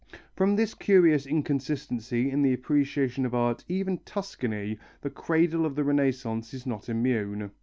From this curious inconsistency in the appreciation of art even Tuscany, the cradle of the Renaissance, is not immune.